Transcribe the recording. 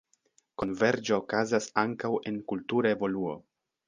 Konverĝo okazas ankaŭ en kultura evoluo.